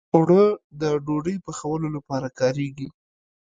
اوړه د ډوډۍ پخولو لپاره کارېږي